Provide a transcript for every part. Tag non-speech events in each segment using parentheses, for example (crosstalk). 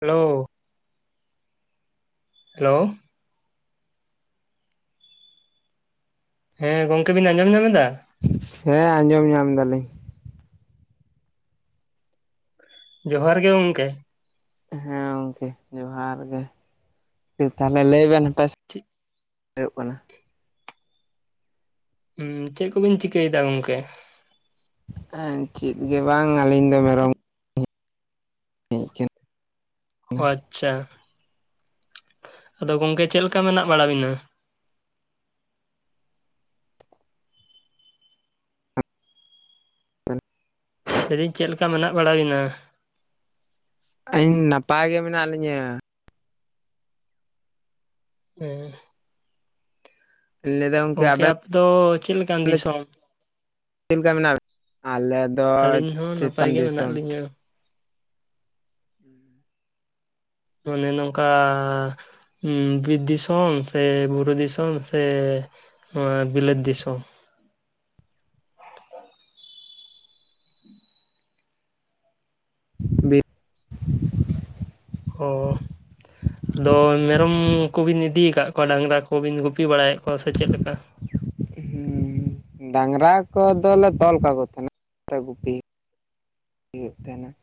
ᱦᱮᱳ, hello, ᱦᱮᱸ ᱜᱚᱝᱠᱮ ᱵᱤᱱ ᱟᱸᱡᱚᱢ ᱧᱟᱢ ᱮᱫᱟ? ᱦᱮᱸ ᱟᱸᱡᱚᱢ ᱧᱟᱢ ᱫᱟᱞᱤᱧ ᱾ ᱡᱚᱦᱟᱨ ᱜᱮ ᱜᱚᱢᱠᱮ ᱾ ᱦᱮᱸ ᱜᱚᱢᱠᱮ ᱡᱚᱦᱟᱨ ᱜᱮ ᱛᱟᱦᱞᱮ ᱞᱟᱹᱭ ᱵᱮᱱ ᱟᱯᱮ ᱪᱮᱫ ᱦᱩᱭᱩᱜ ᱠᱟᱱᱟ? ᱦᱩᱸ ᱪᱮᱫ ᱠᱚᱵᱤᱱ ᱪᱤᱠᱟᱹᱭᱮᱫᱟ ᱜᱚᱝᱠᱮ? ᱦᱮᱸ ᱪᱮᱫ ᱜᱮ ᱵᱟᱝ ᱟᱹᱞᱤᱧ ᱫᱚ ᱢᱮᱨᱚᱢ ᱦᱮᱡ ᱠᱟᱱᱟ᱾ ᱚ ᱟᱪᱪᱷᱟ ᱟᱫᱚ ᱜᱚᱝᱠᱮ ᱪᱮᱫ ᱞᱮᱠᱟ ᱢᱮᱱᱟᱜ ᱵᱟᱲᱟ ᱵᱤᱱᱟ? ᱞᱟᱹᱭ ᱫᱟᱹᱧ ᱪᱮᱫ ᱞᱮᱠᱟ ᱢᱮᱱᱟᱜ ᱵᱟᱲᱟ ᱵᱤᱱᱟ? ᱟᱹᱞᱤᱧ ᱱᱟᱯᱟᱭ ᱜᱮ ᱢᱮᱱᱟᱜ ᱞᱤᱧᱟᱹ ᱾ ᱦᱩᱸ (unintelligible) ᱜᱚᱝᱠᱮ ᱟᱯᱮ ᱫᱚ ᱪᱮᱫ ᱞᱮᱠᱟᱱ ᱫᱚ ᱪᱮᱫ ᱫᱤᱥᱚᱢ? ᱞᱮᱠᱟ ᱢᱮᱱᱟᱜ ᱵᱮᱱᱟ ᱟᱞᱮ ᱫᱚ ᱟᱹᱞᱤᱧ ᱦᱚᱸ ᱱᱟᱯᱟᱭ ᱪᱮᱛᱟᱱ ᱜᱮ ᱢᱮᱱᱟᱜ ᱫᱤᱥᱚᱢ ᱞᱤᱧᱟ ᱾ ᱢᱟᱱᱮ ᱱᱚᱝᱠᱟ ᱵᱤᱨᱤᱫ ᱫᱤᱥᱚᱢ ᱥᱮ ᱵᱩᱨᱩ ᱫᱤᱥᱚᱢ ᱥᱮ ᱵᱤᱞᱟᱹᱛ ᱫᱤᱥᱚᱢ (unintelligible) ᱚᱻ ᱟᱫᱚ ᱢᱮᱨᱚᱢ ᱠᱚᱵᱤᱱ ᱤᱫᱤᱭ ᱟᱠᱟᱫ ᱠᱚᱣᱟ ᱰᱟᱝᱨᱟ ᱠᱚᱵᱤᱱ ᱜᱩᱯᱤ ᱵᱟᱲᱟᱭᱮᱫ ᱠᱚᱣᱟ ᱥᱮ ᱪᱮᱫ ᱞᱮᱠᱟ? ᱦᱩᱸ ᱰᱟᱝᱨᱟ ᱠᱚᱫᱚᱞᱮ ᱛᱚᱞ ᱠᱟᱠᱚ ᱠᱟᱱᱟ, ᱛᱚ ᱜᱩᱯᱤ ᱦᱩᱭᱩᱜ ᱛᱟᱦᱮᱱᱟ ᱾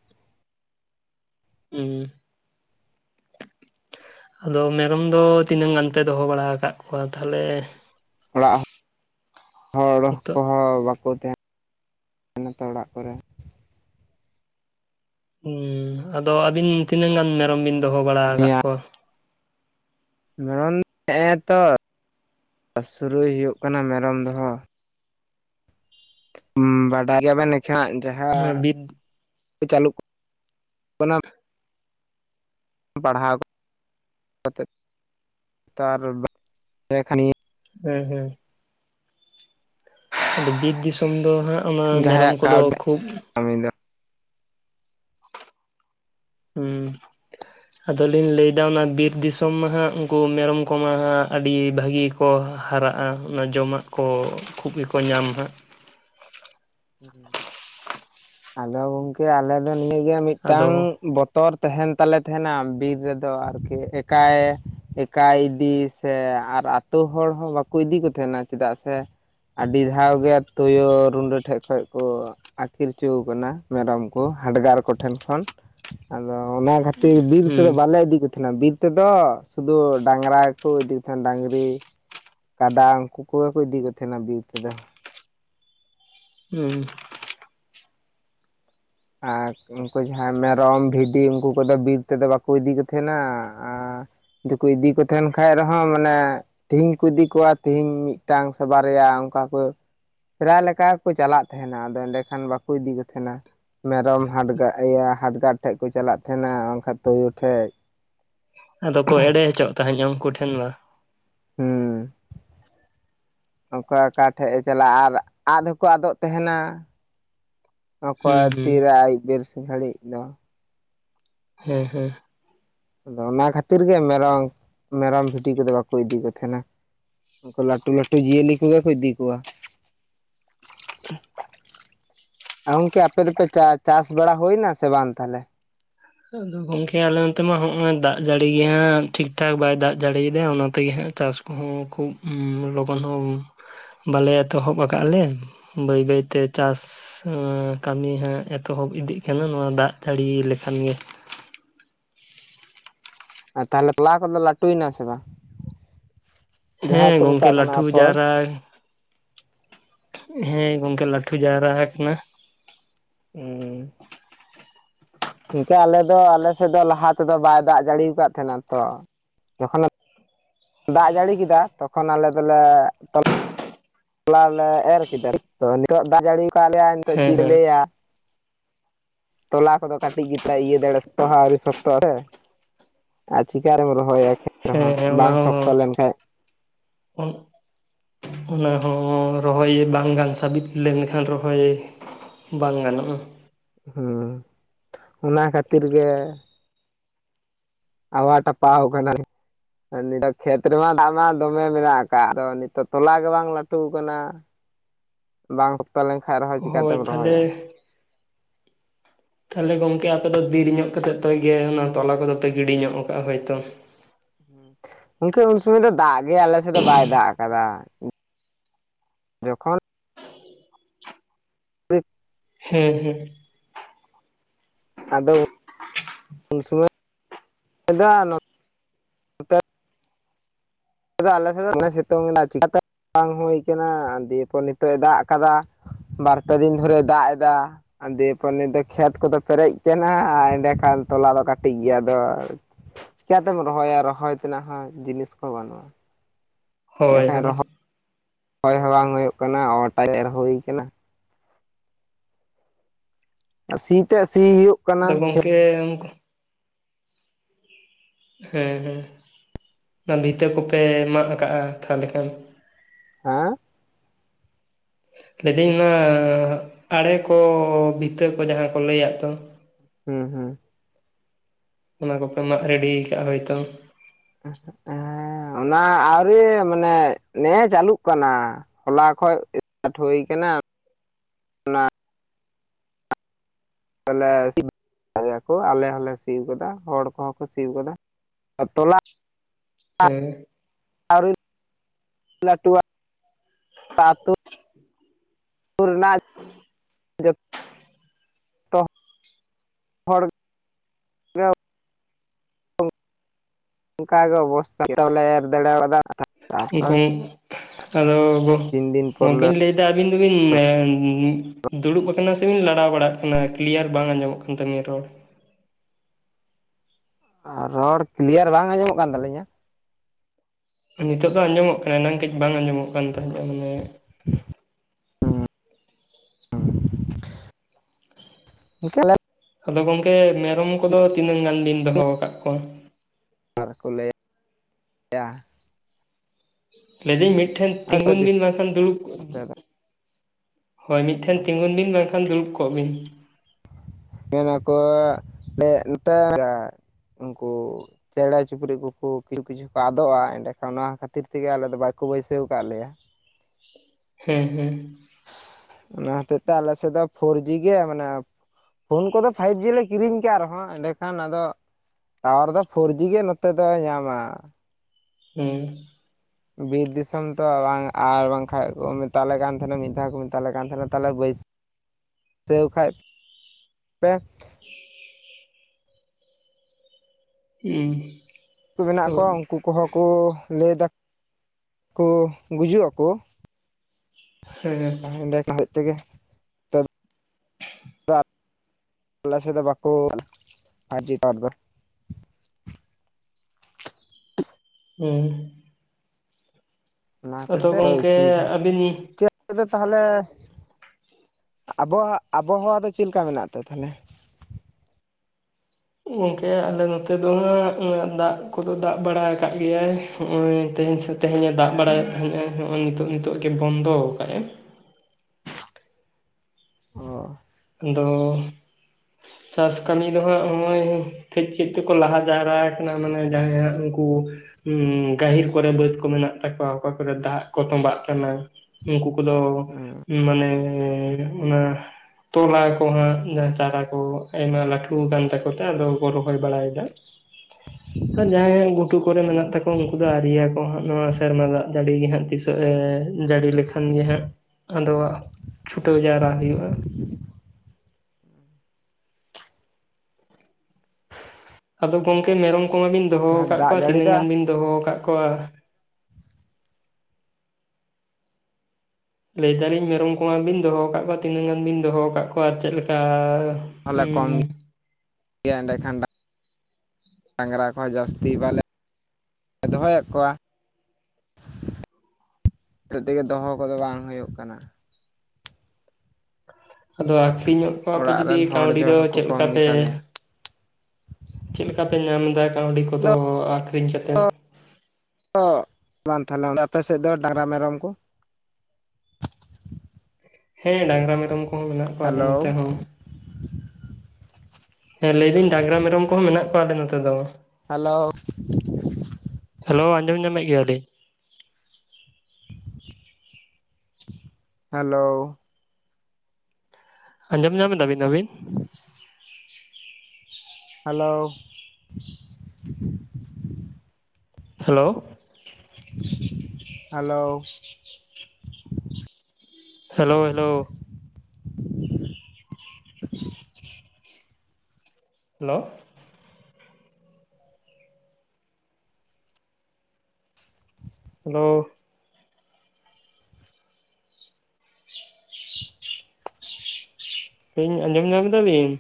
ᱦᱩᱸ ᱟᱫᱚ ᱢᱮᱨᱚᱢ ᱫᱚ ᱛᱤᱱᱟᱹᱝ ᱜᱟᱱ ᱯᱮ ᱫᱚᱦᱚ ᱵᱟᱲᱟ ᱠᱟᱜ ᱠᱚᱣᱟ ᱛᱟᱦᱚᱞᱮ? ᱚᱲᱟᱜ ᱦᱚᱲ ᱱᱤᱛᱚᱜ ᱠᱚᱦᱚᱸ ᱵᱟᱠᱚ ᱛᱟᱦᱮᱸ ᱱᱟ ᱛᱚ ᱚᱲᱟᱜ ᱠᱚᱨᱮ ᱾ ᱦᱩᱸ ᱟᱫᱚ ᱟᱵᱤᱱ ᱛᱤᱱᱟᱹᱜ ᱜᱟᱱ ᱢᱮᱨᱚᱢ ᱵᱤᱱ ᱫᱚᱦᱚ ᱵᱟᱲᱟ ᱟᱠᱟᱫ ᱠᱚᱣᱟ? ᱢᱮᱨᱚᱢ ᱱᱮᱜ-ᱮ ᱛᱚ ᱥᱩᱨᱩᱭᱟ ᱦᱩᱭᱩᱜ ᱠᱟᱱᱟ ᱢᱮᱨᱚᱢ ᱫᱚᱦᱚ᱾ ᱵᱟᱰᱟᱭ ᱜᱮᱭᱟᱢ ᱵᱮᱱ ᱱᱮᱠᱷᱮᱱᱟᱜ ᱚᱱᱟ ᱡᱟᱦᱟᱸ ᱵᱤᱨ ᱪᱟᱞᱩᱜ ᱯᱟᱲᱦᱟᱣ ᱠᱟᱛᱮᱫ ᱛᱚ ᱟᱨ (inaudible) ᱠᱷᱟᱱᱤ ᱦᱮᱸ ᱦᱮᱸ ᱾ ᱟᱫᱚ ᱵᱤᱨ ᱫᱤᱥᱚᱢ ᱫᱚ ᱦᱟᱸᱜ ᱚᱱᱟ ᱢᱮᱨᱚᱢ ᱠᱚᱫᱚ ᱠᱷᱩᱵ ᱠᱟᱢᱤ ᱫᱚ, ᱦᱩᱸ᱾ ᱟᱫᱚᱞᱤᱧ ᱞᱟᱹᱭᱫᱟ ᱚᱱᱟ ᱵᱤᱨ ᱫᱤᱥᱚᱢ ᱢᱟᱦᱟᱸᱜ ᱩᱝᱠᱩ ᱢᱮᱨᱚᱢ ᱠᱚᱢᱟ ᱦᱟᱸᱜ ᱟᱹᱰᱤ ᱵᱷᱟᱹᱜᱤ ᱠᱚ ᱦᱟᱨᱟᱜᱼᱟ, ᱚᱱᱟ ᱡᱚᱢᱟᱜ ᱠᱚ ᱠᱷᱩᱵ ᱜᱮ ᱠᱚ ᱧᱟᱢ ᱦᱟᱸᱜ᱾ ᱟᱫᱚ ᱜᱚᱝᱠᱮ ᱟᱞᱮ ᱫᱚ ᱱᱤᱭᱟᱹ ᱜᱮ ᱢᱤᱫᱴᱟ. ᱟᱫᱚ ᱝ ᱵᱚ ᱛᱚᱨ ᱛᱮᱦᱮᱸᱱ ᱛᱟᱞᱮ ᱛᱟᱦᱮᱸᱱᱟ ᱵᱤᱨ ᱨᱮᱫᱚ ᱟᱨᱠᱤ ᱮᱠᱟᱭ ᱮᱠᱟᱭ ᱤᱫᱤ ᱥᱮ ᱟᱨ ᱟᱛᱳ ᱦᱚᱲ ᱦᱚᱸ ᱵᱟᱠᱚ ᱤᱫᱤ ᱠᱚ ᱛᱟᱦᱮᱸᱱᱟ ᱪᱮᱫᱟᱜ ᱥᱮ ᱟᱰᱤ ᱫᱷᱟᱣ ᱜᱮ ᱛᱚᱭᱚ ᱨᱩᱺᱰᱟᱹ ᱴᱷᱮᱡ ᱠᱷᱚᱡ ᱠᱚ ᱟᱛᱤᱨ ᱪᱚᱣ ᱠᱟᱱᱟ ᱢᱮᱨᱚᱢ ᱠᱚ, ᱦᱟᱰᱜᱟᱨ ᱠᱚᱴᱷᱮᱱ ᱠᱷᱚᱱ᱾ ᱟᱫᱚ ᱚᱱᱟ ᱠᱷᱟᱛᱤᱨ ᱵᱤᱨ ᱦᱩᱸ ᱛᱮᱫᱚ ᱵᱟᱞᱮ ᱤᱫᱤ ᱠᱚ ᱛᱟᱦᱮᱸᱱᱟ, ᱵᱤᱨ ᱛᱮᱫᱚ ᱥᱩᱫᱩ ᱰᱟᱝᱨᱟ ᱜᱮᱠᱚ ᱤᱫᱤ ᱛᱟᱦᱮᱸᱱ ᱰᱟᱝᱨᱤ ᱠᱟᱰᱟ ᱩᱝᱠᱩ ᱠᱚᱜᱮ ᱠᱚ ᱤᱫᱤ ᱠᱚ ᱛᱟᱦᱮᱸᱱᱟ ᱵᱤᱨ ᱛᱮᱫᱚ᱾ ᱦᱩᱸᱻ᱾ ᱟᱨ ᱩᱝᱠᱩ ᱡᱟᱦᱟᱸᱭ ᱢᱮᱨᱚᱢ ᱵᱷᱤᱰᱤ ᱩᱝᱠᱩ ᱠᱚᱫᱚ ᱵᱤᱨ ᱛᱮᱫᱚ ᱵᱟᱠᱚ ᱤᱫᱤ ᱠᱚ ᱛᱟᱦᱮᱸᱱᱟ᱾ ᱟᱸ (unintelligible) ᱤᱫᱤ ᱠᱚ ᱛᱟᱦᱮᱸᱱ ᱠᱷᱟᱡ ᱨᱮᱦᱚᱸ ᱢᱟᱱᱮ ᱛᱮᱦᱤᱧ ᱠᱚ ᱤᱫᱤ ᱠᱚᱣᱟ ᱛᱮᱦᱤᱧ ᱢᱤᱫᱴᱟᱝ ᱥᱮ ᱵᱟᱨᱭᱟ ᱚᱝᱠᱟ ᱠᱚ, ᱯᱮᱨᱟᱭ ᱞᱮᱠᱟ ᱜᱮᱠᱚ ᱪᱟᱞᱟᱜ ᱛᱟᱦᱮᱸᱱᱟ ᱟᱫᱚ ᱮᱸᱰᱮ ᱠᱷᱟᱱ ᱵᱟᱠᱚ ᱤᱫᱤ ᱠᱚ ᱛᱟᱦᱮᱸᱱᱟ᱾ ᱢᱮᱨᱚᱢ ᱦᱟᱰᱜᱟ ᱮᱭᱟᱹ ᱦᱟᱰᱜᱟᱨ ᱴᱷᱮᱡ ᱠᱚ ᱪᱟᱞᱟᱜ ᱛᱟᱦᱮᱸᱱᱟ ᱵᱟᱝᱠᱷᱟᱡ ᱛᱚᱭᱚ ᱴᱷᱮᱡ, ᱟᱫᱚ ᱠᱚ ᱮᱲᱮ ᱦᱚᱪᱚᱜ ᱛᱟᱦᱮᱸᱱ ᱩᱱᱠᱩ ᱴᱷᱮᱱ ᱵᱟ? ᱦᱩᱸ᱾ ᱚᱠᱚᱭ ᱚᱠᱟ ᱴᱷᱮᱡ ᱮ ᱪᱟᱞᱟᱜᱼᱟ ᱟᱨ ᱟᱫ ᱦᱚᱸ ᱠᱚ ᱟᱫᱚᱜ ᱛᱟᱦᱮᱸᱱᱟ᱾ ᱚᱠᱚᱭ ᱦᱩᱸ ᱛᱤ ᱦᱩᱸ ᱨᱮ ᱟᱭᱩᱵ ᱵᱮᱨ (inaudible) ᱜᱷᱟᱹᱲᱤᱡ ᱫᱚ᱾ ᱦᱮᱸ ᱦᱮᱸ᱾ ᱟᱫᱚ ᱚᱱᱟ ᱠᱷᱟᱛᱤᱨ ᱜᱮ ᱢᱮᱨᱚᱜ, ᱢᱮᱨᱚᱢ ᱵᱷᱤᱰᱤ ᱠᱚᱫᱚ ᱵᱟᱠᱩ ᱤᱫᱤ ᱠᱚ ᱛᱟᱦᱮᱸᱱᱟ᱾ ᱩᱝᱠᱩ ᱞᱟᱴᱩ ᱞᱟᱴᱩ ᱡᱤᱭᱟᱹᱞᱤ ᱠᱚᱜᱮ ᱠᱚ ᱤᱫᱤ ᱠᱚᱣᱟ᱾ ᱟ ᱜᱚᱝᱠᱮ ᱟᱯᱮ ᱫᱚᱯᱮ ᱪᱟ ᱪᱟᱥ ᱵᱟᱲᱟ ᱦᱚᱭ ᱱᱟ ᱥᱮ ᱵᱟᱝ ᱛᱟᱦᱚᱞᱮ? ᱟᱫᱚ ᱜᱚᱝᱠᱮ ᱟᱞᱮ ᱱᱚᱛᱮ ᱢᱟ ᱦᱚᱸᱜᱼᱚᱭ ᱫᱟᱜ ᱡᱟᱲᱤ ᱜᱮ ᱦᱟᱸᱜ ᱴᱷᱤᱠ ᱴᱷᱟᱜ ᱵᱟᱭ ᱫᱟᱜ ᱡᱟᱲᱤᱭᱮᱫᱟ ᱚᱱᱟ ᱛᱮᱜᱮ ᱦᱟᱸᱜ ᱪᱟᱥ ᱠᱚᱦᱚᱸ ᱠᱷᱩᱵ ᱞᱚᱜᱚᱱ ᱦᱚᱸ ᱵᱟᱞᱮ ᱮᱛᱚᱦᱚᱵ ᱟᱠᱟᱜ ᱟᱞᱮ, ᱵᱟᱹᱭ ᱵᱟᱹᱭ ᱛᱮ ᱪᱟᱥ ᱠᱟᱢᱤ ᱦᱟᱸᱜ ᱮᱛᱚᱦᱚᱵ ᱤᱫᱤᱜ ᱠᱟᱱᱟ ᱱᱚᱣᱟ ᱫᱟᱜ ᱡᱟᱲᱤ ᱞᱮᱠᱷᱟᱱ ᱜᱮ᱾ ᱟᱨ ᱛᱟᱦᱚᱞᱮ ᱛᱚᱞᱟ ᱠᱚᱫᱚ ᱞᱟᱴᱩᱭᱮᱱᱟ ᱥᱮ ᱵᱟᱝ? ᱡᱟᱦᱟᱸ ᱦᱮᱸ ᱠᱚ ᱜᱚᱝᱠᱮ ᱢᱮᱛᱟᱜ ᱠᱟᱱᱟ ᱞᱟᱹᱴᱷᱩ ᱟᱯᱷᱚᱨ? (unintelligible) ᱦᱮᱸ ᱜᱚᱝᱠᱮ ᱞᱟᱴᱷᱩ ᱡᱟᱣᱨᱟ ᱟᱠᱟᱱᱟ᱾ ᱩᱸᱻ᱾ ᱤᱝᱠᱟᱹ ᱟᱞᱮ ᱫᱚ ᱟᱞᱮ ᱥᱮᱫ ᱫᱚ ᱞᱟᱦᱟ ᱛᱮᱫᱚ ᱵᱟᱭ ᱫᱟᱜ ᱡᱟᱲᱤᱣ ᱠᱟᱜ ᱛᱟᱦᱮᱸᱱᱟ ᱛᱚ, ᱡᱚᱠᱷᱚᱱᱮ ᱫᱟᱜ ᱡᱟᱲᱤ ᱠᱮᱫᱟ, ᱛᱚᱠᱷᱚᱱ ᱟᱞᱮ ᱫᱚᱞᱮ ᱛᱚ ᱛᱚᱞᱟ ᱞᱮ ᱮᱨ ᱠᱮᱫᱟ ᱛᱚ ᱱᱤᱛᱚᱜ ᱫᱟᱜ ᱡᱟᱹᱲᱤ ᱣᱟᱠᱟᱠ ᱞᱮᱭᱟᱭ ᱱᱤᱛᱚᱜ ᱦᱮᱸ ᱪᱮᱫ ᱦᱮᱸ ᱞᱟᱹᱭᱟ᱾ ᱛᱚᱞᱟ ᱠᱚᱫᱚ ᱠᱟᱹᱴᱤᱡ ᱜᱮᱛ ᱤᱭᱟᱹ ᱫᱮᱲᱥ ᱛᱚ ᱦᱟᱸᱜ ᱟᱹᱣᱨᱤ ᱥᱚᱠᱛᱚ ᱟᱥᱮ ᱟᱨ ᱪᱮᱠᱟ ᱨᱮᱢ ᱨᱚᱦᱚᱭᱟ ᱠᱷᱮ ᱦᱮᱸ ᱨᱮᱦᱚᱸ ᱦᱮᱸ ᱵᱟᱝ ᱥᱚᱠᱛᱚ ᱞᱮᱱᱠᱷᱟᱡ ᱩᱸ ᱚᱱᱟ ᱦᱚᱸ ᱨᱚᱦᱚᱭ ᱤᱭᱟᱹ ᱵᱟᱝ ᱜᱟᱱ ᱥᱟᱹᱵᱤᱛ ᱞᱮᱱᱠᱷᱟᱱ ᱨᱚᱦᱚᱭ ᱵᱟᱝ ᱜᱟᱱᱚᱜ-ᱟ᱾ ᱦᱩᱸ ᱚᱱᱟ ᱠᱷᱟᱹᱛᱤᱨ ᱜᱮ ᱟᱣᱟ ᱴᱷᱟᱯᱟᱣ ᱠᱟᱱᱟ ᱞᱮ ᱱᱤᱰᱟ. ᱠᱷᱮᱛ ᱨᱮᱢᱟ ᱫᱟᱜ ᱢᱟ ᱫᱚᱢᱮ ᱢᱮᱱᱟᱜ ᱟᱠᱟᱫ ᱟᱫᱚ ᱱᱤᱛᱚᱜ ᱛᱚᱞᱟ ᱜᱮ ᱵᱟᱝ ᱞᱟᱹᱴᱩᱣ ᱠᱟᱱᱟ᱾ ᱵᱟᱝ ᱥᱚᱠᱛᱚ ᱞᱮᱱ ᱠᱷᱟᱡ ᱟᱨ ᱦᱚᱸ ᱪᱮᱠᱟ ᱦᱳᱭ ᱛᱮᱢ ᱨᱚᱦᱚᱭᱟ᱾ ᱛᱟᱦᱞᱮ ᱛᱟᱦᱚᱞᱮ ᱜᱚᱝᱠᱮ ᱟᱯᱮ ᱫᱚ ᱵᱤᱨᱤ ᱧᱚᱜ ᱠᱟᱛᱮᱫ ᱛᱚᱭ ᱜᱮ ᱚᱱᱟ ᱛᱚᱞᱟ ᱠᱚᱫᱚ ᱯᱮ ᱜᱤᱰᱤ ᱧᱚᱜ ᱠᱟᱜ-ᱟ ᱦᱳᱭ ᱛᱚ ᱦᱩᱸ ᱚᱝᱠᱟ. ᱩᱱ ᱥᱩᱢᱚ. ᱭ ᱫᱚ ᱫᱟᱜ ᱜᱮ ᱟᱞᱮ ᱥᱮᱫ ᱫᱚ ᱵᱟᱭ ᱫᱟᱜ ᱟᱠᱟᱫᱟ᱾ ᱡᱚᱠᱷᱚᱱ (unintelligible) ᱦᱮᱸ ᱦᱮᱸ ᱟᱫᱚ ᱩᱱ ᱥᱚᱢᱚᱭ ᱮᱫᱟ (unintelligible) ᱱᱚ ᱟᱫᱚ ᱟᱞᱮ ᱥᱮᱜ ᱫᱚ ᱫᱚᱢᱮ ᱥᱮᱛᱳᱝ ᱮᱱᱟ, ᱪᱮᱠᱟᱛᱮ ᱵᱟᱝ ᱦᱩᱭ ᱠᱟᱱᱟ ᱫᱤᱭᱮᱯᱚᱨ ᱱᱤᱛᱚᱜ ᱮ ᱫᱟᱜ ᱟᱠᱟᱫᱟ᱾ ᱵᱟᱨ ᱯᱮ ᱫᱤᱱ ᱫᱷᱚᱨᱮ ᱮ ᱫᱟᱜ ᱮᱫᱟ᱾ ᱟᱨ ᱫᱤᱭᱮ ᱯᱚᱨ ᱱᱤᱛ ᱫᱚ ᱠᱷᱮᱛ ᱠᱚᱫᱚ ᱯᱮᱨᱮᱡ ᱠᱟᱱᱟ ᱟᱨ ᱮᱸᱰᱮᱠᱷᱟᱱ ᱛᱚᱞᱟ ᱫᱚ ᱠᱟᱹᱴᱤᱡ ᱜᱮᱭᱟ, ᱟᱫᱚ ᱪᱮᱠᱟᱛᱮᱢ ᱨᱚᱦᱚᱭᱟ ᱨᱚᱦᱚᱭ ᱛᱮᱱᱟᱜ ᱦᱚᱸ ᱡᱤᱱᱤᱥ ᱠᱚ ᱵᱟᱹᱱᱩᱜᱼᱟ᱾ ᱦᱳᱭ ᱦᱳᱭ ᱦᱚᱭ ᱦᱚᱸ ᱵᱟᱝ ᱦᱳᱭᱳᱜ ᱠᱟᱱᱟ ᱚᱴᱟᱭ ᱮᱨ ᱦᱩᱭ ᱠᱟᱱᱟ᱾ ᱥᱤᱛᱮᱜ ᱥᱤ ᱦᱩᱭᱩᱜ ᱟᱫᱚ ᱠᱟᱱᱟ ᱠᱷᱮᱛ ᱜᱚᱝᱠᱮ ᱚᱝᱠ ᱦᱮᱸ ᱦᱮᱸ ᱚᱱᱟ ᱵᱷᱤᱛᱟᱹ ᱠᱚᱯᱮ ᱢᱟᱜ ᱠᱟᱜᱼᱟ ᱛᱷᱟᱞᱮ ᱠᱷᱟᱱ᱾ ᱮᱸ ᱞᱟᱹᱭᱫᱟᱹᱧ ᱱᱟ ᱦᱟᱸᱜ ᱟᱲᱮ ᱠᱚ ᱵᱤᱛᱟᱹ ᱠᱚ ᱡᱟᱦᱟᱸ ᱠᱚ ᱞᱟᱹᱭᱟᱜ ᱫᱚ᱾ ᱦᱩᱸ ᱦᱩᱸ ᱚᱱᱟ ᱠᱚᱯᱮ ᱢᱟᱜ ᱨᱮᱰᱤᱭ ᱠᱟᱜ- ᱟ ᱦᱚᱭ ᱛᱚ (unintelligible) ᱦᱮᱸ ᱮᱸ ᱚᱱᱟ ᱟᱹᱣᱨᱤ ᱢᱟᱱᱮ ᱱᱮ ᱪᱟᱹᱞᱩᱜ ᱠᱟᱱᱟ᱾ ᱦᱚᱞᱟ ᱠᱷᱚᱡ ᱤᱥᱴᱟᱴ ᱦᱩᱭ ᱠᱟᱱᱟ᱾ ᱛᱚᱞᱮ ᱥᱤᱵ (unintelligible) (unintelligible) ᱠᱚ ᱟᱞᱮ ᱦᱚᱸᱞᱮ ᱥᱤᱣ ᱠᱟᱫᱟ ᱦᱚᱲ ᱠᱚᱦᱚᱸ ᱠᱚ ᱥᱤᱣ ᱠᱟᱫᱟ ᱛᱚᱞᱟ ᱮᱸ ᱟᱹᱣᱨᱤ ᱞᱟᱹᱴᱩᱜ-ᱟ ᱟᱯᱟᱛᱩ ᱥᱩᱨ ᱨᱮᱱᱟᱜ ᱡᱚ (unintelligible) ᱛᱚ ᱦᱚᱲ ᱜᱮ (unintelligible) ᱚᱝᱠᱟᱜᱮ ᱚᱵᱚᱥᱛᱟ ᱛᱮ ᱵᱚᱞᱮ ᱮᱨ ᱫᱟᱲᱮᱭᱟᱫᱟ᱾ ᱩᱱᱠᱩ ᱟᱫᱚ ᱛᱤᱱ ᱫᱤᱱ ᱯᱚᱨ ᱞᱮ ᱜᱚᱝᱠᱮᱧ ᱞᱟᱹᱭᱮᱫ ᱫᱟ ᱟᱹᱵᱤᱱ ᱫᱚ ᱵᱤᱱ ᱫᱩᱲᱩᱵ ᱟᱠᱟᱱᱟ ᱥᱮ ᱵᱤᱱ ᱞᱟᱲᱟᱣ ᱵᱟᱲᱟᱜ ᱠᱟᱱᱟ ᱠᱞᱤᱭᱟᱨ ᱵᱟᱝ ᱟᱸᱡᱚᱢᱚᱜ ᱠᱟᱱ ᱛᱟᱹᱵᱤᱱᱟ ᱨᱚᱲ᱾ ᱚ ᱨᱚᱲ ᱠᱤᱞᱭᱟᱹᱨ ᱵᱟᱝ ᱟᱸᱡᱚᱢᱚᱜ ᱠᱟᱱ ᱛᱟᱹᱞᱤᱧᱟ᱾ ᱱᱤᱛᱚᱜ ᱫᱚ ᱟᱸᱡᱚᱢᱚᱜ ᱠᱟᱱᱟ ᱮᱱᱟᱝ ᱴᱷᱤᱠ ᱵᱟᱝ ᱟᱸᱡᱚᱢᱚᱜ ᱠᱟᱱ ᱛᱟᱦᱮᱸᱡᱼᱟ ᱢᱟᱱᱮ᱾ (unintelligible) ᱟᱫᱚ ᱜᱚᱝᱠᱮ ᱢᱮᱨᱚᱢ ᱠᱚᱫᱚ ᱛᱤᱱᱟᱹᱝ ᱜᱟᱱ ᱵᱤᱱ ᱫᱚᱦᱚ ᱠᱟᱜ ᱠᱚᱣᱟ? (unintelligible) ᱞᱟᱹᱭᱫᱟᱹᱧ ᱢᱤᱜᱴᱷᱮᱱ ᱛᱤᱜᱩᱱ ᱵᱤᱱ ᱵᱟᱝᱠᱷᱟᱱ ᱫᱩᱲᱩᱵ ᱦᱳᱭ ᱢᱤᱜᱴᱷᱮᱱ ᱛᱤᱜᱩᱱ ᱵᱤᱱ ᱵᱟᱝᱠᱷᱟᱱ ᱫᱩᱲᱩᱵ ᱠᱚᱜ ᱵᱤᱱ᱾ ᱦᱳᱭ ᱚᱱᱟ ᱠᱚ ᱞᱮ (unintelligible) ᱱᱮᱛᱟᱨ ᱩᱱᱠᱩ, ᱪᱮᱬᱮ ᱪᱩᱯᱲᱤᱨ ᱠᱩᱠᱩ ᱠᱤᱪᱷᱩ ᱠᱤᱪᱷᱩ ᱠᱚ ᱟᱫᱚᱜᱼᱟ, ᱮᱸᱰᱮᱠᱷᱟᱱ ᱚᱱᱟ ᱠᱷᱟᱹᱛᱤᱨ ᱛᱮᱜᱮ ᱟᱞᱮ ᱫᱚ ᱵᱟᱠᱚ ᱵᱟᱹᱭᱥᱟᱹᱣ ᱠᱟᱜ ᱞᱮᱭᱟ᱾ ᱦᱮᱸ ᱦᱮᱸ, ᱚᱱᱟ ᱦᱚᱛᱮᱜ ᱛᱮ ᱟᱞᱮᱥᱮᱫ ᱫᱚ ᱯᱷᱳᱨᱡᱤ ᱜᱮ, ᱢᱟᱱᱮ ᱯᱷᱳᱱ ᱠᱚᱫᱚ ᱯᱷᱟᱭᱤᱵ ᱡᱤ ᱞᱮ ᱠᱤᱨᱤᱧ ᱠᱟᱜ ᱨᱮᱦᱚᱸ, ᱮᱸᱰᱮᱠᱷᱟᱱ ᱟᱫᱚ ᱴᱟᱣᱟᱨ ᱫᱚ ᱯᱷᱳᱨᱡᱤ ᱜᱮ ᱱᱚᱛᱮ ᱫᱚᱭ ᱧᱟᱢᱟ᱾ ᱦᱩᱸ, ᱵᱤᱨ ᱫᱤᱥᱚᱢ ᱛᱚ ᱵᱟᱝ ᱟᱨ ᱵᱟᱝᱠᱷᱟᱡ ᱠᱚ ᱢᱮᱛᱟᱞᱮ ᱠᱟᱱ ᱛᱟᱦᱮᱸᱱᱟ, ᱢᱤᱜ ᱫᱷᱟᱣ ᱠᱚ ᱢᱮᱛᱟᱞᱮ ᱠᱟᱱ ᱛᱟᱦᱮᱸᱱᱟ᱾ ᱛᱟᱦᱚᱸᱞᱮ ᱵᱟᱹᱭ ᱥᱟᱹᱣ ᱠᱷᱟᱡ ᱯᱮ, (inaudible) ᱦᱩᱸ, ᱢᱮᱱᱟᱜ ᱛᱚ ᱠᱚᱣᱟ ᱩᱱᱠᱩ ᱠᱚᱦᱚᱸ ᱠᱚ ᱞᱟᱹᱭ ᱫᱟ ᱠᱚ ᱜᱩᱡᱩᱜ ᱟᱠᱚ᱾ ᱦᱮᱸ (unintelligible) ᱛᱟᱦᱮᱡ ᱛᱮᱜᱮ ᱱᱮᱛᱟᱨ (unintelligible) ᱟᱞᱮ ᱥᱮᱫ ᱫᱚ ᱵᱟᱠᱚ ᱟᱹᱡᱤᱵᱷᱟᱨ (unintelligible) ᱫᱟ᱾ ᱦᱩᱸ, ᱚᱱᱟ ᱦᱚᱛᱮᱫ ᱟᱫᱚ ᱛᱮ ᱟᱨ ᱦᱚᱭ, ᱜᱚᱢᱠᱮ (unintelligible) ᱟᱹᱵᱤᱱ ᱟᱫᱚ ᱛᱟᱦᱞᱮ ᱟᱵᱚ ᱟᱵᱚᱦᱟᱣᱟ ᱫᱚ ᱪᱤᱫ ᱞᱮᱠᱟ ᱢᱮᱱᱟᱜ ᱛᱮ ᱛᱟᱦᱞᱮ? ᱜᱚᱝᱠᱮ ᱟᱞᱮ ᱱᱚᱛᱮ ᱫᱚ ᱦᱟᱸᱜ ᱩᱸ ᱫᱟᱜ ᱠᱚᱫᱚ ᱫᱟᱜ ᱵᱟᱲᱟ ᱟᱠᱟᱫ ᱜᱮᱭᱟᱭ᱾ ᱦᱚᱜᱼᱚᱭ ᱛᱮᱦᱮᱧ ᱛᱮᱦᱮᱧᱼᱮ ᱫᱟᱜ ᱵᱟᱲᱟᱭᱮᱫ ᱛᱟᱦᱮᱸᱫᱼ ᱟᱭ ᱦᱚᱜᱼᱚᱭ ᱱᱤᱛᱚᱜ ᱱᱤᱛᱚᱜ ᱜᱮ ᱵᱚᱱᱫᱚ ᱟᱠᱟᱫᱼᱮ᱾ ᱚ, ᱟᱫᱚ, ᱪᱟᱥ ᱠᱟᱹᱢᱤ ᱫᱚ ᱦᱟᱸᱜ ᱱᱚᱜᱼᱚᱭ, ᱠᱟᱹᱡ ᱠᱟᱹᱡ ᱛᱮᱠᱚ ᱞᱟᱦᱟ ᱡᱟᱣᱨᱟ ᱠᱟᱱᱟ ᱢᱟᱱᱮ ᱡᱟᱦᱟᱸ ᱡᱟᱦᱟᱸ ᱩᱱᱠᱩ, ᱦᱩᱸ ᱜᱟᱹᱦᱤᱨ ᱠᱚᱨᱮ ᱵᱟᱹᱫ ᱠᱚ ᱢᱮᱱᱟᱜ ᱛᱟᱠᱚᱣᱟ ᱚᱠᱟ ᱠᱚᱨᱮ ᱫᱟᱜ ᱠᱚ ᱛᱚᱸᱵᱟᱜ ᱠᱟᱱᱟ᱾ ᱩᱱᱠᱩ ᱠᱚᱫᱚ, ᱢᱟᱱᱮ ᱚᱱᱟ ᱛᱚᱞᱟ ᱠᱚ ᱦᱟᱸᱜ ᱡᱟᱦᱟᱸ ᱪᱟᱨᱟ ᱠᱚ ᱟᱭᱢᱟ ᱞᱟᱹᱴᱩ ᱠᱟᱱᱟ ᱛᱟᱠᱚ ᱛᱮ ᱟᱫᱚ ᱠᱚ ᱨᱚᱦᱚᱭ ᱵᱟᱲᱟᱭᱮᱫᱟ᱾ (inaudible) ᱟᱨ ᱡᱟᱦᱟᱸᱭᱟᱜ ᱜᱷᱩᱴᱩ ᱠᱚᱨᱮ ᱢᱮᱱᱟᱜ ᱛᱟᱠᱚᱣᱟ ᱩᱱᱠᱩ ᱫᱚ ᱟᱹᱣᱨᱤᱭᱟᱠᱚᱣᱟ ᱦᱟᱸᱜ ᱱᱚᱣᱟ ᱥᱮᱨᱢᱟ ᱫᱟᱜ ᱡᱟᱹᱲᱤ ᱜᱮ ᱦᱟᱸᱜ ᱛᱤᱥ? ᱱᱤᱛᱚᱜ ᱮ ᱡᱟᱹᱲᱤ ᱞᱮᱠᱷᱟᱱ ᱜᱮ ᱦᱟᱸᱜ ᱟᱫᱚ ᱦᱟᱸᱜ ᱪᱷᱩᱴᱟᱹᱣ ᱡᱟᱣᱨᱟ ᱦᱩᱭᱩᱜᱼᱟ᱾ (inaudible) ᱟᱫᱚ ᱜᱚᱝᱠᱮ ᱢᱮᱨᱚᱢ ᱠᱚᱢᱟ ᱵᱤᱱ ᱫᱚᱦᱚ ᱛᱟᱦᱚᱞᱮ ᱠᱟᱫ ᱫᱟᱜ ᱠᱚᱣᱟ ᱡᱟᱹᱲᱤ ᱛᱤᱱᱟᱹᱜ ᱫᱚ ᱜᱟᱱ ᱵᱤᱱ ᱫᱚᱦᱚ ᱠᱟᱫ ᱠᱚᱣᱟ? ᱞᱟᱹᱭ ᱫᱟᱞᱤᱧ ᱢᱮᱨᱚᱢ ᱠᱚᱢᱟ ᱵᱤᱱ ᱫᱚᱦᱚ ᱠᱟᱫ ᱠᱚᱣᱟ ᱛᱤᱱᱟᱹᱜ ᱜᱟᱱ ᱵᱤᱱ ᱫᱚᱦᱚ ᱠᱟᱫ ᱠᱚᱣᱟ ᱟᱨ ᱪᱮᱫᱞᱮᱠᱟ? ᱦᱚᱸᱞᱮ ᱠᱚᱢ ᱜᱮᱭᱟ ᱮᱸᱰᱮ ᱠᱷᱟᱱ ᱫᱟᱜ ᱰᱟᱸᱝᱨᱟ ᱠᱚᱦᱚᱸ ᱡᱟᱹᱥᱛᱤ ᱵᱟᱞᱮ ᱫᱚᱦᱚᱭᱮᱫ ᱠᱚᱣᱟ᱾ (unintelligible) ᱛᱮᱜᱮ ᱫᱚᱦᱚ ᱠᱚᱫᱚ ᱵᱟᱝ ᱦᱩᱭᱩᱜ ᱠᱟᱱᱟ᱾ ᱟᱫᱚ ᱟᱠᱷᱨᱤᱧᱮᱫ ᱠᱚᱣᱟ ᱟᱯᱮ ᱚᱲᱟᱜ ᱡᱚᱫᱤ ᱨᱮᱱ ᱦᱚᱲ ᱠᱟᱹᱣᱰᱤ ᱡᱚᱲ ᱫᱚ ᱦᱚᱸᱠᱚ ᱪᱮᱫ ᱠᱚᱢ ᱞᱮᱠᱟ ᱯᱮ? ᱜᱮᱛᱟᱞᱮᱭᱟ ᱪᱮᱫ ᱞᱮᱠᱟ ᱯᱮ ᱧᱟᱢ ᱮᱫᱟ ᱠᱟᱹᱣᱰᱤ ᱠᱚᱫᱚ ᱟᱹᱠᱷᱨᱤᱧ ᱠᱟᱛᱮᱫ? ᱵᱟᱝ ᱛᱟᱦᱞᱮ ᱚᱸᱰᱮ ᱟᱯᱮ ᱥᱮᱫ ᱫᱚ ᱰᱟᱸᱝᱨᱟ ᱢᱮᱨᱚᱢ ᱠᱚ? ᱦᱮᱸ ᱰᱟᱸᱝᱨᱟ ᱢᱮᱨᱚᱢ ᱠᱚᱦᱚᱸ ᱢᱮᱱᱟᱜ ᱠᱚᱣᱟ ᱟᱞᱮ ᱦᱮᱞᱳ ᱱᱚᱛᱮ ᱦᱚᱸ᱾ ᱦᱮᱸ ᱞᱟᱹᱭ ᱫᱟᱹᱧ ᱰᱟᱝᱨᱟ ᱢᱮᱨᱚᱢ ᱠᱚᱦᱚᱸ ᱢᱮᱱᱟᱜ ᱠᱚᱣᱟ ᱟᱞᱮ ᱱᱚᱛᱮ ᱫᱚ᱾ ᱦᱮᱞᱳ᱾ ᱦᱮᱞᱳ ᱟᱸᱡᱚᱢ ᱧᱟᱢᱮᱫ ᱜᱮᱭᱟᱞᱤᱧ᱾ ᱦᱮᱞᱳ᱾ ᱟᱸᱡᱚᱢ ᱧᱟᱢ ᱫᱟᱵᱤᱱ ᱟᱹᱵᱤᱱ? Hello. Hello. Hello. Hello hello. (inaudible) Hello. Hello. ᱦᱤᱧ ᱟᱸᱡᱚᱢ ᱧᱟᱢᱮᱫᱟᱵᱤᱱ?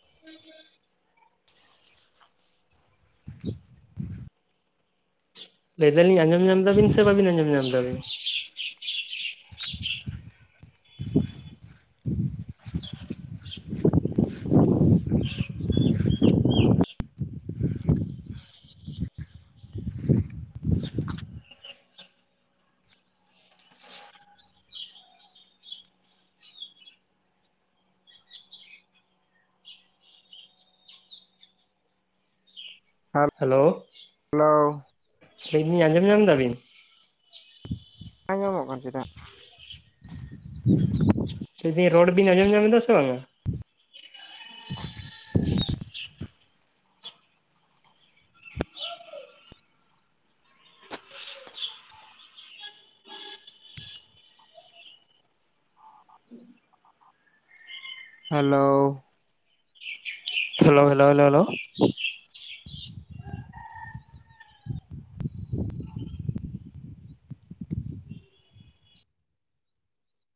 (inaudible) ᱞᱟᱹᱭ ᱫᱟᱞᱤᱧ ᱟᱸᱡᱚᱢ ᱧᱟᱢ ᱫᱟᱵᱤᱱ ᱥᱮ ᱵᱟᱵᱤᱱ ᱟᱸᱡᱚᱢ ᱧᱟᱢ ᱮᱫᱟᱵᱤᱱ? ᱦᱮᱞᱳ, ᱦᱮᱞᱳ ᱞᱟᱹᱭ ᱫᱤᱧ ᱟᱸᱡᱚᱢ ᱧᱟᱢ ᱮᱫᱟᱵᱤᱱ? ᱟᱸᱡᱟᱢᱚᱜ ᱠᱟᱱ ᱪᱮᱫᱟᱜ? ᱞᱟᱹᱭ ᱫᱤᱧ ᱨᱚᱲ ᱵᱤᱱ ᱟᱸᱡᱚᱢ ᱧᱟᱢᱮᱫᱟ ᱥᱮ ᱵᱟᱝᱼᱟ? (inaudible) Hello. Hello hello hello hello. (inaudible)